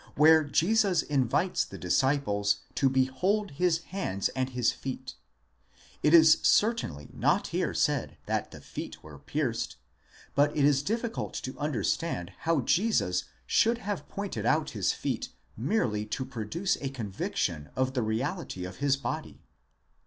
39, where Jesus invites the disciples to behold his hands and his feet (ἴδετε ras χεῖράς μου καὶ τοὺς πόδας μου): it is certainly not here said that the feet were pierced, but it is difficult to understand how Jesus should have pointed out his feet merely to produce a conviction of the reality of his body.